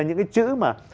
những cái chữ mà